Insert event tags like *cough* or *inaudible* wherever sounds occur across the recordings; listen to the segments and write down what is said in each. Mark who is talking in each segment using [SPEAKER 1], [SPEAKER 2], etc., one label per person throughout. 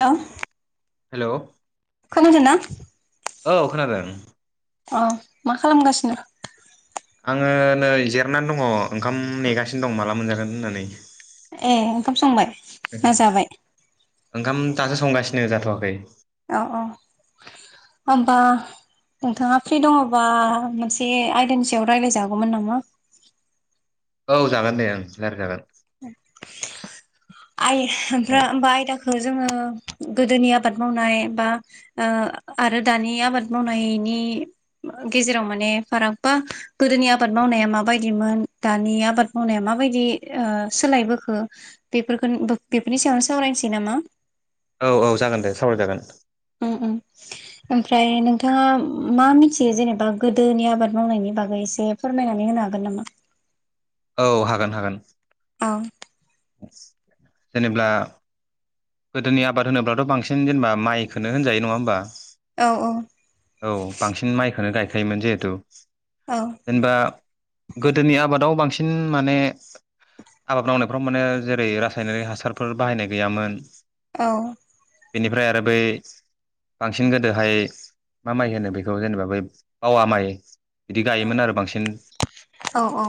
[SPEAKER 1] औ
[SPEAKER 2] हेल'
[SPEAKER 1] खोमदोंना
[SPEAKER 2] औ खोनादों।
[SPEAKER 1] औ मा खालामगासिनो?
[SPEAKER 2] आङो नै जिरनानै दङ ओंखाम नेगासिनो दं माला मोनजागोन होननानै
[SPEAKER 1] ए ओंखाम संबाय ना जाबाय?
[SPEAKER 2] ओंखाम दासो संगासिनो जाथ'वाखै।
[SPEAKER 1] औ औ होमबा नोंथाङा फ्रि दङबा मोनसे आयदानि सायाव रायज्लाय जागौमोन नामा?
[SPEAKER 2] औ जागोन दे ओं सारि जागोन।
[SPEAKER 1] आइ ओमफ्राय आइ आयदाखौ जो गोदोनि आबाद मावनाय बा आरो दानि आबाद मावनायनि गेजेराव माने फाराग बा गोदोनि आबाद मावनाया माबायदिमोन दानि आबाद आबाद मावनाया माबायदि ओ सोलायबोखो बेफोरखौ बेफोरनि सायावनो सावरायनोसै नामा?
[SPEAKER 2] औ औ जागोन दे सावराय जागोन।
[SPEAKER 1] उम उम ओमफ्राय नोंथाङा मा मिथियो जेनेबा गोदोनि आबाद मावनायनि बागै एसे फोरमायनानै हो हागोन नामा?
[SPEAKER 2] औ हागोन हागोन।
[SPEAKER 1] औ
[SPEAKER 2] जेनेब्ला गोदोनि आबाद होनोब्लाथ' बांसिन जेनेबा माइखौनो होनजायो नङा होमबा?
[SPEAKER 1] औ औ
[SPEAKER 2] औ बांसिन माइखौनो गायखायोमोन जिहेथु जेनेबा गोदोनि आबादाव बांसिन माने आबाद मावनायफ्राव माने जेरै रासायनारिक हासारफोर बाहायनाय गैयामोन।
[SPEAKER 1] औ
[SPEAKER 2] बेनिफ्राय आरो बै बांसिन गोदोहाय मा माइ होनो बेखौ जेनेबा बै बावा माइ बिदि
[SPEAKER 1] औ
[SPEAKER 2] गायोमोन आरो बांसिन
[SPEAKER 1] औ औ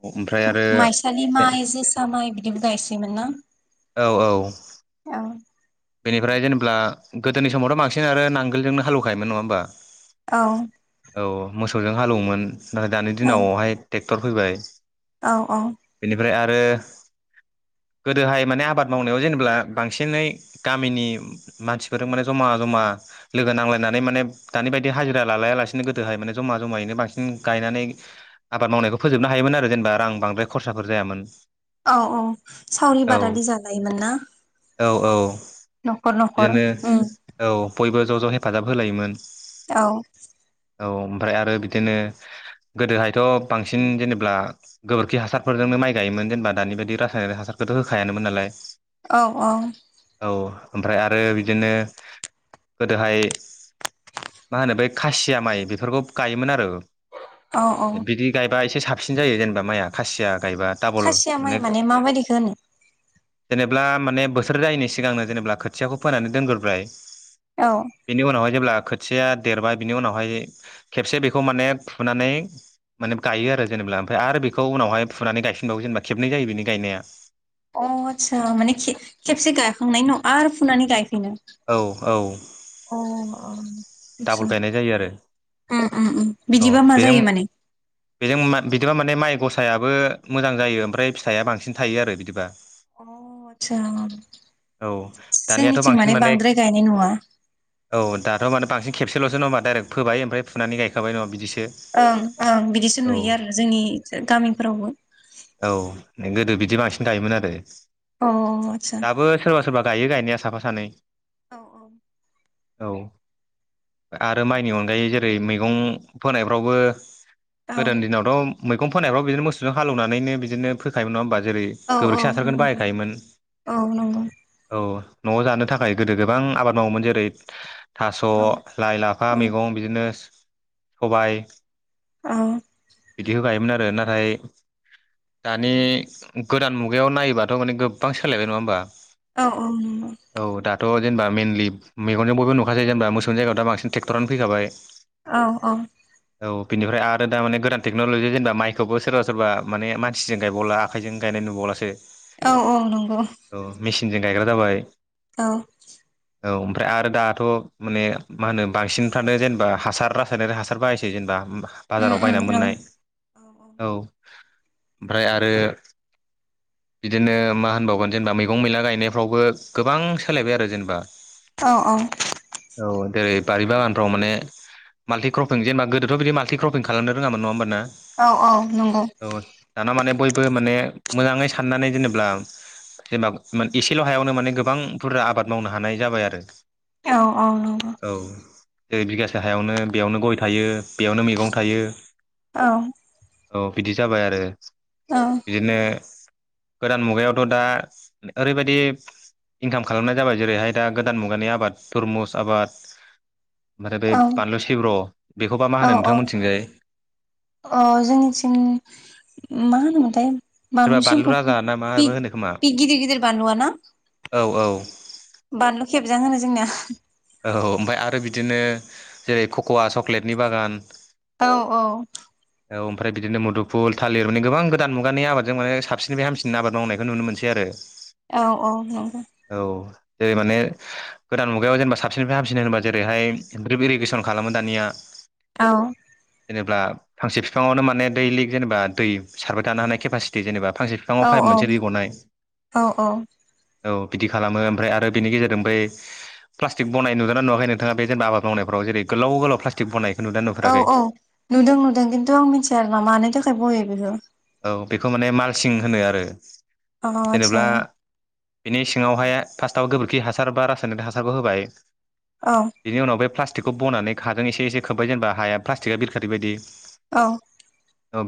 [SPEAKER 2] ओमफ्राय आरो
[SPEAKER 1] माइसालि माइ जोसा माइ बिदिबो गायसोयोमोन ना?
[SPEAKER 2] औ औ
[SPEAKER 1] औ
[SPEAKER 2] बेनिफ्राय जेनेबा गोदोनि समावथ' बांसिन आरो नांगोलजोंनो हालेवखायोमोन नङा होमबा?
[SPEAKER 1] औ
[SPEAKER 2] औ मोसौजों हालौवोमोन नाथाय दानि
[SPEAKER 1] औ
[SPEAKER 2] दिनावहाय ट्रेक्टर फैबाय।
[SPEAKER 1] औ औ
[SPEAKER 2] बेनिफ्राय आरो गोदोहाय माने आबाद मावनायाव जेनेबा बांसिनै गामिनि मानसिफोर माने जमा जमा लोगो नांलायनानै माने दानि बायदि हाजिरा लालाया लासिनो गोदोहाय जमा जमायैनो बांसिन गायनानै आबाद मावनायखौ फोजोबनो हायोमोन आरो जेनेबां बांद्राय खरसा साफोर जायामोन।
[SPEAKER 1] औ औ सावरि
[SPEAKER 2] औ
[SPEAKER 1] बादालि जालायोमोन ना?
[SPEAKER 2] औ औ
[SPEAKER 1] न'खर न'खर
[SPEAKER 2] बिदिनो औ बयबो ज' ज' हेफाजाब होलायोमोन।
[SPEAKER 1] औ
[SPEAKER 2] औ ओमफ्राय आरो बिदिनो गोदोहायथ' बांसिन जेनेबा गोबोरखि हासारफोरजोंनो माइ गायोमोन जेनेबा दानि बायदि रासायनारिक हासार बेखौथ' होखायानोमोन नालाय
[SPEAKER 1] औ औ
[SPEAKER 2] औ ओमफ्राय आरो बिदिनो गोदोहाय मा होनो बै खासिया माइ बेफोरखौ गायोमोन आरो
[SPEAKER 1] औ औ
[SPEAKER 2] दा एसे साबसिन जायो जेनेबा माइया खासिया गायबा डाबल
[SPEAKER 1] खासिया माइ
[SPEAKER 2] माने
[SPEAKER 1] माबायदिखौ होनो
[SPEAKER 2] जेनेब्ला माने बोसोर जायैनि सिगांनो जेनेबा खोथियाखौ फोनानै दोनग्रोबाय
[SPEAKER 1] औ
[SPEAKER 2] बेनि उनावहाय जेब्ला खोथिया खोथिया देरबाय बिनि उनावहाय खेबसे बेखौ माने फुनानै माने गायो आरो जेनेबा ओमफ्राय आरो बेखौ उनावहाय फुनानै गायफिनबावो जेनेबा खेबनै जायो बिनि गायनाया
[SPEAKER 1] अ आस्सा माने खेबसे गायाखांनायनि उनाव आरो फुनानै गाय फिनो
[SPEAKER 2] औ औ
[SPEAKER 1] अ
[SPEAKER 2] डाबल
[SPEAKER 1] आतसा
[SPEAKER 2] गायनाय जायो आरो औ
[SPEAKER 1] बिदिबा मा
[SPEAKER 2] बेजों
[SPEAKER 1] जायो माने
[SPEAKER 2] बेजों बिदिबा माने माइ गसायाबो मोजां जायो ओमफ्राय फिथाइया बांसिन थायो आरो बिदिबा
[SPEAKER 1] अ आतसा
[SPEAKER 2] औ दानियाथ'
[SPEAKER 1] जोंनिथिं
[SPEAKER 2] बांसिन
[SPEAKER 1] माने बांद्राय गायनाय नुवा
[SPEAKER 2] औ दाथ' माने बांसिन खेबसेल'सो नाडरेक्ट फोबाय ओमफ्राय फुनानै गायखाबाय नङा बिदिसो
[SPEAKER 1] ओं ओं बिदिसो
[SPEAKER 2] औ
[SPEAKER 1] नुयो आरो जोंनि गामिफोरावबो
[SPEAKER 2] औ गोदो बिदि बांसिन गायोमोन आरो
[SPEAKER 1] अ अ आतसा
[SPEAKER 2] दाबो सोरबा सोरबा गायो गायनाया साफा सानै
[SPEAKER 1] औ औ
[SPEAKER 2] औ आरो माइनि अनगायै जेरै मैगं फोनायफ्रावबो
[SPEAKER 1] औ
[SPEAKER 2] गोदोनि दिनावथ' मैगं फोननायफ्राव बिदिनो मोसौजों हालेवनानैनो बिदिनो फोखायोमोन नङा होमबा जेरै
[SPEAKER 1] औ औ
[SPEAKER 2] गोबोरखि हासारखौनो बाहायखायोमोन
[SPEAKER 1] औ नंगौ
[SPEAKER 2] औ न'आव जानो थाखाय गोदो गोबां आबाद मावोमोन जेरै
[SPEAKER 1] औ
[SPEAKER 2] थ' लाइ लाफा मैगं बिदिनो सबाय
[SPEAKER 1] औ
[SPEAKER 2] बिदिखौ गायोमोन आरो नाथाय दानि गोदान मुगायाव नायोबाथ' माने गोबां सोलायबाय नङा होमबा
[SPEAKER 1] औ औ
[SPEAKER 2] जेनबा मेननलि मगजों बबो नख जेनेबाोौ जायगायाव दा बसिन ट्रेकटरानो फैखाबाय।
[SPEAKER 1] औ औ
[SPEAKER 2] औ बिनिफ्राय आरो दा माने गोदान टेक्न'लजि जेनेबा माइखौबो सोरबा सोरबा माने मानसिजों गायबावला आखाइजों गायनाय नुबावलासो
[SPEAKER 1] औ औ नंगौ।
[SPEAKER 2] मिसिनजों गायग्रा जाबाय
[SPEAKER 1] औ
[SPEAKER 2] औ ओमफ्राय आरो दाथ' माने मा होनो बांसिनफ्रानो जेनेबा हासार रासायनारि हासार बाहायसै जेनेबा
[SPEAKER 1] उम
[SPEAKER 2] बाजाराव
[SPEAKER 1] उम
[SPEAKER 2] बायना
[SPEAKER 1] औ
[SPEAKER 2] मोननाय औ ओमफ्राय आरो बिदिनो मा होनबावगोन जेनेबा मैगं मैला गायनायफ्रावबो गोबां सोलायबाय आरो जेनेबा
[SPEAKER 1] औ
[SPEAKER 2] औ देरै बारि बागानफ्राव माने माल्टिक्रपिं जेनबा गोदोथ' बिदि माल्टिक्रपिं खालामनो रोङामोन नङा होनबाना।
[SPEAKER 1] औ औ नंगौ
[SPEAKER 2] औ दाना माने बयबो माने मोजाङै साननानै जेनेब्ला जेनेबा एसेल' हायावनो माने गोबां बुरजा आबाद मावनो हानाय जाबाय आरो
[SPEAKER 1] औ औ
[SPEAKER 2] जेरै बिगासे हायावनो बेयावनो गय थायो बेयावनो मैगं थायो।
[SPEAKER 1] औ
[SPEAKER 2] औ बिदि जाबाय आरो बिदिनो गोदान मुगायावथ' दा ओरैबायदि इनकाम खालामनाय जाबाय जेरैहाय दा गोदान मुगानि आबाद तरमुस आबाद। ओमफ्राय बे
[SPEAKER 1] औ
[SPEAKER 2] बानलु सिब्र' बेखौबा मा होनो
[SPEAKER 1] औ
[SPEAKER 2] नोंथां
[SPEAKER 1] औ
[SPEAKER 2] मोनथिंजाय
[SPEAKER 1] अ जोंनिथिं मा होनोमोनथाय
[SPEAKER 2] सोरबा
[SPEAKER 1] बानलु सिब्रवा
[SPEAKER 2] राजा
[SPEAKER 1] ना
[SPEAKER 2] माबो होनो खोमा
[SPEAKER 1] बे गिदिर गिदिर बानलुवा ना?
[SPEAKER 2] औ औ
[SPEAKER 1] बानलु खेबजां होनो जोंनिया
[SPEAKER 2] औ ओमफ्राय आरो बिदिनो जेरै कक'वा चक्लेटनि बागान
[SPEAKER 1] औ औ।
[SPEAKER 2] औ ओमफ्राय बिदिनो मुदुफुल थालिर माने गोबां गोदान मुगानि आबादजों माने साबसिननिफ्राय हामसिन आबाद मावनायखौ नुनो मोनसै आरो।
[SPEAKER 1] औ औ नंगौ।
[SPEAKER 2] औ जेरै माने गोदान मुगायाव जेनेबा साबसिननिफ्राय हामसिन होनबा जेरैहाय रिबिरि इरिगेसन खालामो दानिया।
[SPEAKER 1] औ।
[SPEAKER 2] जेनेबा फांसे बिफाङावनो माने दैलिक जेनेबा दै सारबाय थानो हानाय केपासिटि जेनेबा फांसे बिफाङाव
[SPEAKER 1] औ
[SPEAKER 2] पाइप मोनसे दै गनाय
[SPEAKER 1] औ औ
[SPEAKER 2] औ बिदि खालामो ओमफ्राय आरो बेनि गेजेरजों बै प्लासटिक बनाय नुदोंना नुवाखै नोंथांङा बे जेनेबा आबाद मावनायाव जेरै गोलाव गोलाव प्लास्टिक बनाय।
[SPEAKER 1] औ औ नुदों नुदों खिन्थु आं मिथिया आरो ना मानि थाखाय बयो बेखौ।
[SPEAKER 2] औ बेखौ माने मालसिं होनो आरो।
[SPEAKER 1] औ आतसा
[SPEAKER 2] जेनेबा बिनि सिङावहाय फार्स्टआव गोबोरखि हासार बा रासायनिक हासारखौ होबाय
[SPEAKER 1] औ
[SPEAKER 2] बिनि उनावह प्लास्टिकखौ बनानै हाजों एसे एसे खोब्बाय जेनेबा हाया प्लास्टिकआ बिरखारै बायदि।
[SPEAKER 1] औ।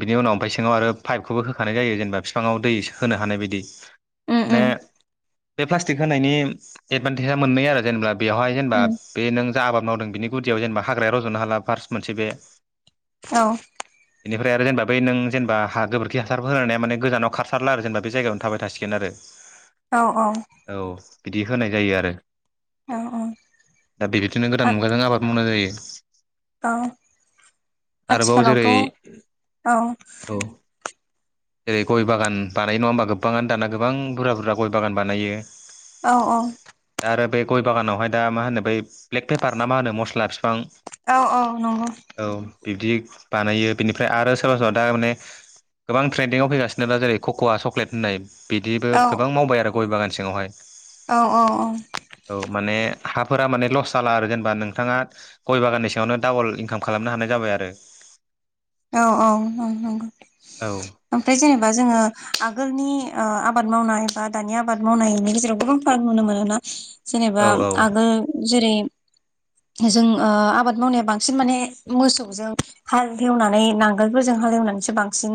[SPEAKER 2] बिनि उनाव ओमफ्राय सिङाव आरो पाइपखौबो होखानाय जायो जेनेबा बिफाङाव दै होनो हानाय बायदि।
[SPEAKER 1] उम
[SPEAKER 2] माने
[SPEAKER 1] उम
[SPEAKER 2] बे प्लास्टिक होनायनि एदभान्टेजा मोननै आरो जेनेबा। बेवहाय जेनेबा
[SPEAKER 1] उम
[SPEAKER 2] बे नों जा आबाद मावदों बिनि गुदियाव जेनेबा हाग्राया रज'नो हाला फार्स्ट मोनसे बे।
[SPEAKER 1] औ।
[SPEAKER 2] बेनिफ्राय आरो जेनेबा बै नों जेनेबा हा गोबोरखि हासारफोर होनाया माने गोजानाव खारसारला आरो जेनेबा बे जायगायावनो थाबाय थासिगोन आरो।
[SPEAKER 1] औ औ।
[SPEAKER 2] औ बिदि होनाय जायो आरो
[SPEAKER 1] औ
[SPEAKER 2] दा बेबायदिनो गोदान
[SPEAKER 1] आ
[SPEAKER 2] मुगाजों आबाद मावनाय जायो।
[SPEAKER 1] औ
[SPEAKER 2] आरोबाव
[SPEAKER 1] आथिखालावथ'
[SPEAKER 2] जेरै
[SPEAKER 1] औ
[SPEAKER 2] औ। जेरै गय बागान बानायनाय नङा होमबा गोबाङानो दाना गोबां बुरजा बुरजा गय बागान बानायो।
[SPEAKER 1] औ औ।
[SPEAKER 2] दा आरो बे गय बागानावहाय दा मा होनो बै ब्लेक पेपार ना मा होनो मस्ला बिफां
[SPEAKER 1] औ औ नंगौ।
[SPEAKER 2] औ बिब्दि बानायो बिनिफ्राय आरो सोरबा सोरबा दा माने। गोबां ट्रेन्डिंआव फैगासिनो दा जेरै कक'व चक्लेट होननाय बिदिबो
[SPEAKER 1] औ
[SPEAKER 2] गोबां मावबाय आरो गय बागान सिङावहाय।
[SPEAKER 1] औ औ औ।
[SPEAKER 2] औ माने हाफोरा माने लस जाला आरो जेनेबा नोंथाङा गय बागाननि सावनो डाबल इनकाम खालामनो हानाय जाबाय आरो।
[SPEAKER 1] औ औ औ नंगौ
[SPEAKER 2] औ
[SPEAKER 1] ग ओमफ्राय जेनेबा जोङो आगोलनि आबाद मावनाय। बा दानि आबाद मावनायनि गेजेराव गोबां फाराग नुनो मोनोना
[SPEAKER 2] औ
[SPEAKER 1] जेनेबा
[SPEAKER 2] औ
[SPEAKER 1] आगोल जेरै जों ओ आबाद मावनाया बांसिन माने मोसौजों हाल लवनानै नांगोलफोरजों हालेवनानैसो बांसिन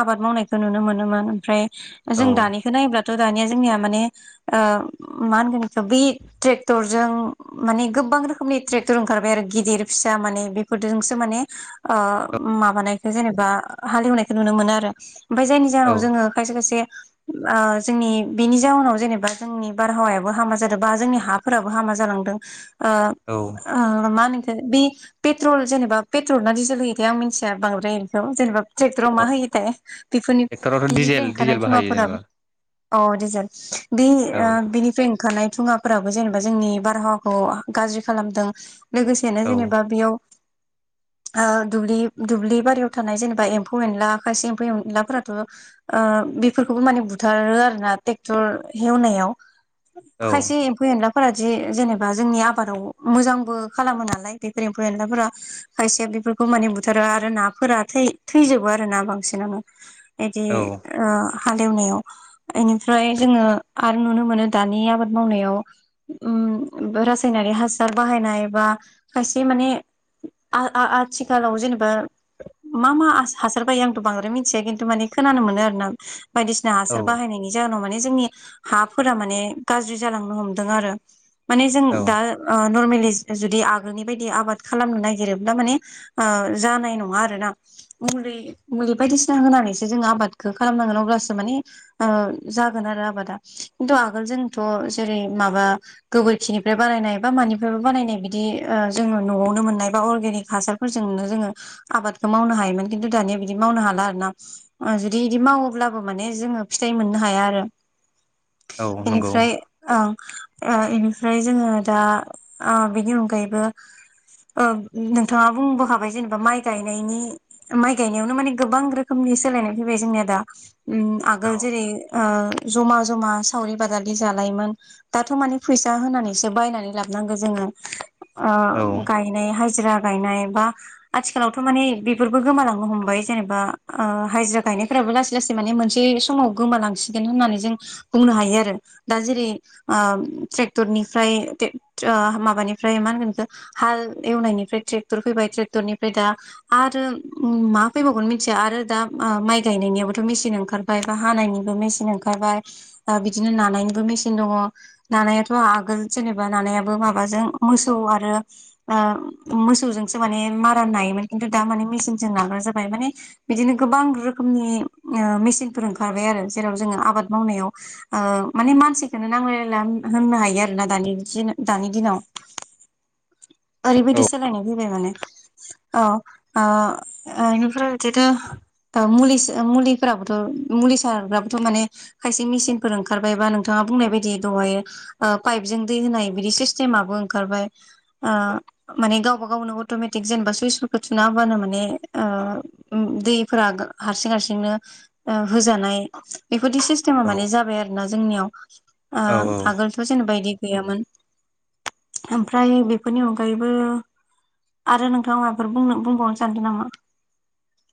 [SPEAKER 1] आबाद मावनायखौ नुनो मोनोमोन ओमफ्राय।
[SPEAKER 2] औ
[SPEAKER 1] जों दानिखौ नायोब्लाथ'- दानिया जोंना बेखौ ट्रेक्टर जों गोबां माने। गोबां रोखोमनि ट्रेक्टर ओंखारबाय आरो गिदिर फिसा माने बेफोरजोंसो माने। माबानायखौ जेनेबा हालेवनायखौ नुनो मोनो आरो ओमफफ्राय जायनि
[SPEAKER 2] औ
[SPEAKER 1] जाहोनाव जोङो खायसे खायसे। उम जोंनि बेनि जाउनाव जेनेबा जोंनि बारहावायाबो हामा जादों बा जोंनि हाफोराबो हामा जालांदों ओ
[SPEAKER 2] औ
[SPEAKER 1] ओ मा होनखो बे पेट्रल जेनेबा पेट्रल ना डिजेल होयो बि आं मिथिया बांद्रायखौ बेखौ जेनेबा ट्रेक्टराव
[SPEAKER 2] औ
[SPEAKER 1] मा होयो थाय बेफोरनि
[SPEAKER 2] ट्रेक्टरावथ'
[SPEAKER 1] बिनिफ्राय
[SPEAKER 2] डिजेल
[SPEAKER 1] ओंखारनाय
[SPEAKER 2] डिजेल बाहायो
[SPEAKER 1] धुङाफोराबो
[SPEAKER 2] जेनेबा
[SPEAKER 1] अ डिजेल बे ओ
[SPEAKER 2] औ
[SPEAKER 1] बिनिफ्राय ओंखारनाय धुङाफोराबो जेनेबा जोंनि बारहावाखौ गाज्रि खालामदों लोगोसेनो
[SPEAKER 2] औ
[SPEAKER 1] जेनेबा बेयाव ओ दुब्लि बारियाव थानाय जेनेबा एम्फौ एनला खायसे एम्फौ एनलाफोराथ' ओ बेफोरखौ खौ माने बुथारो आरोना ट्रेक्टर एवनायाव खायसे
[SPEAKER 2] औ
[SPEAKER 1] एम्फौ - एनला फोरा जेनेबा जोंनि आबादाव मोजांबो खालामो नालाय बेफोर एम्फौ एनलाफोरा खायसे बेफोर खौ माने बुथारो आरो नाफोरा थै- थैजोबो आरो ना बांसिनानो इदि
[SPEAKER 2] औ
[SPEAKER 1] ओ हालेवनायाव एनिफ्राय जोङो आरो नुनो मोनो दानि आबाद मावनायाव ओम रासायनिक हासार बाहायनाय बा खायसे माने आ- आ- आ आथिखालाव जेनेबा मा मा हासार बायो आंथ' बांद्राय मिथिया खिन्थु माने खोनानो मोनो आरोना बायदिसिना
[SPEAKER 2] औ
[SPEAKER 1] हासार बाहायनायनि जाहोनाव माने जोंनि हाफोरा माने गाज्रि जालांनो हमदों आरो माने जों
[SPEAKER 2] औ
[SPEAKER 1] दा ओ नर्मेलि जुदि आगोलनि बायदि आबाद खालामनो नागिरोब्ला माने ओ जानाय नङा आरोना मुलि मुलि बायदिसिना होनानैसो जोङो आबादखौ खालाम गोन अब्लासो माने जागोन आरो आबादा खिन्थु आगोल जोंथ' जेरै माबा गोबोरखिनिफ्राय बानायनाय बा मानिफ्रायबा बानायनाय बिदि जोङो न'आवनो मोननाय बा अर्गेनिक हासार नो जोङो आबादखौ मावनो हायोमोन खिन्थु दानिया बिदि मावनो हाला आरोना ओ जुदि बिदि मावोब्ला ब्लाबो माने जोङो फिथाइ मोननो हाया आरो
[SPEAKER 2] औ नंगौ औ
[SPEAKER 1] एनिफ्राय ओं ओ इनिफ्राय जोङो दा बिनि अनगायैबो ओम नोंथाङा बुंबो खाबाय जेनेबा माइ गायनायनि माइ गायनायावनो माने गोबां रोखोमनि सोलायनाय फैबाय जोंनिया दा उम
[SPEAKER 2] औ
[SPEAKER 1] आगोल जेरै ओ जमा जमा सावरि बादालि जालायोमोन दाथ' माने फैसा होनानैसो बायनानै लाबोनांगौ जोङो ओ गायनाय हाजिरा गायनाय बा आथिखालावथ' माने बेफोरबो गोमालांनो हमबाय जेनेबा ओ हाजिरा गायनायफ्राबो लासै लासै माने मोनसे समाव गोमालांसिगोन होननानै जों बुंनो हायो आरो दा जेरै ओम ट्रेक्टरनिफ्राय ओ माबानिफ्राय मा होनगोन इखौ हाल एवनायनिफ्राय ट्रेक्टर फैबाय ट्रेक्टरनिफ्राय दा आरो मा फैबावगोन मिथिया आरो दा माइ गायनायनियाबो मेचिन ओंखारबाय बा हानायनिबो मेचिन ओंखारबाय ओ बिदिनो नानायनिबो मेचिन दङ नानायाथ' आगोल जेनेबा नानायाबो माबाजों मोसौ आरो ओ मोसौजों माने मारा नायोमोन खिन्थु दा माने मेचिनजों नाग्रा जाबाय माने बिदिनो गोबां रोखोमनि ओ मेसिनफोर ओंखारबाय आरो जेराव जोङो आबाद मावनायाव माने मानसिखौनो नांलायायला होननो हायो आरोना दानि दिनाव
[SPEAKER 2] औ
[SPEAKER 1] ओरैबायदि सोलायनाय फैबाय माने अ औ ओनिफ्राय बिदिनो ओ मुलि मुलिफोराबोथ' मुलि सारग्राबोथ' माने खायसे मेसििनफोर ओंखारबायबा नोंथाङा बुंनाय बायदि दहाय ओ पाइपजों दै होनाय बिदि सिस्टेमाबो ओंखारबाय ओ माने गावनि गाव गावनो अटमेटिक जेनेबा सुइसफोरखौ थुना हाबानो माने ओ दैफोरा हारसिं हारसिंनो ओ होजानाय बेफोरदि सिस्टेमा
[SPEAKER 2] औ
[SPEAKER 1] माने जाबाय आरोना जोंनियाव ओ आगोलथ' जेनेबा इदि गैयामोन ओमफ्राय बेफोरनि अनगायैबो आरो नोंथाङा माबाफोर बुंनो बुंबावनो सानदों नामा?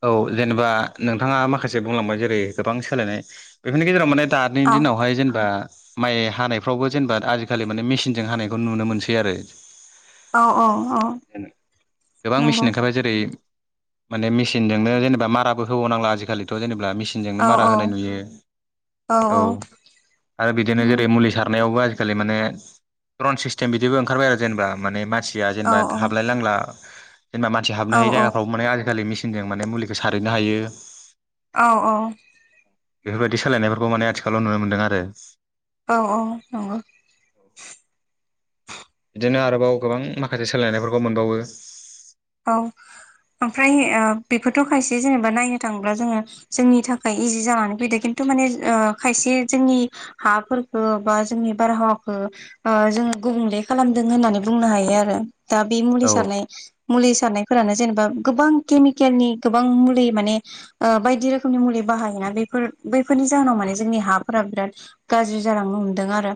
[SPEAKER 2] औ जेनेबा नोंथाङा माखासे बुंलांबाय जेरै गोबां सोलायनाय बेफोरनि गेजेराव माने दानि
[SPEAKER 1] औ
[SPEAKER 2] दिनावहाय जेनेबा माइ हानायफ्रावबो जेनेबा आजिखालि माने मेचिनजों हानायखौ नुनो मोनसै आरो
[SPEAKER 1] औ औ
[SPEAKER 2] गोबां
[SPEAKER 1] नंगौ
[SPEAKER 2] मेचिन ओंखारबाय जेरै माने मेसिनजोंनो जेनेबा माराबो होबाव नांला आजिखालिथ' जेनेबा होनब्ला
[SPEAKER 1] औ
[SPEAKER 2] मेसिनजोंनो मारा होनाय नुयो। औ आरो
[SPEAKER 1] औ
[SPEAKER 2] बिदिनो जेरै मुलि सारनायावबो। आजिखालि माने द्रन सिस्टेम बिदिबो ओंखारबाय आरो जेनेबा माने मानसिया
[SPEAKER 1] औ
[SPEAKER 2] जेनेबा हाबलाय नांला। जेनेबा मानसि हाबनो हायै जायगाफ्रावबो माने आजिखालि मेसिनजों माने मुलिखौ सारहैनो हायो।
[SPEAKER 1] औ औ।
[SPEAKER 2] बेफोरबायदि सोलायनायफोरखौ माने आथिखालाव नुनो मोन्दों आरो।
[SPEAKER 1] औ औ नंगौ।
[SPEAKER 2] बिदिनो आरोबाव गोबां माखासे सोलायनायफोरखौ मोनबावो।
[SPEAKER 1] औ। ओमफ्राय बेफोरथ' खायसे जेनेबा नायनो थाङोब्ला जोङो जोंनि थाखाय इजि जानानै फैदो खिन्थु। माने खायसे जोंनि हाफोरखौ बा जोंनि बारहावाखौ जों गुबुंले खालामदों होननानै बुंनो हायो आरो दा बे मुलि
[SPEAKER 2] औ
[SPEAKER 1] सारनाय। मुलि सारनायफोरानो जेनेबा गोबां केमिकेलनि गोबां मुलि माने बायदि रोखोमनि मुलि। बाहायोना बेफोर बैफोरनि जाहोनाव माने जोंनि हाफोरा बिराद गाज्रि जालांनो हमदों आरो।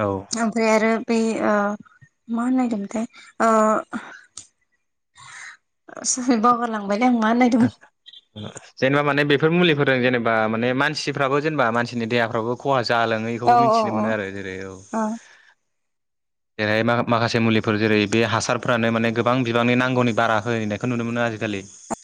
[SPEAKER 2] औ
[SPEAKER 1] ओमफ्राय आरो बे मा होननोनायदोंमोनथाइ। सरि बागाललांदों।
[SPEAKER 2] जेनेबा माने बे बेफोर मुलिफोर जेनेबा माने मानसिफ्राब जेनबा मानसिनि देहाफ्राबो खहा जाया।
[SPEAKER 1] औ
[SPEAKER 2] जालाोङैखौबो
[SPEAKER 1] औ
[SPEAKER 2] मिथिनो
[SPEAKER 1] औ
[SPEAKER 2] मोनो आरो जेरै औ।
[SPEAKER 1] *inaudible*
[SPEAKER 2] जेरैहाय माखासे मुलिफोर जेरै बे हासारफोरानो माने गोबां बिबांनि नांगौनि बारा होनायखौ नुनो मोनो आजिखालि लि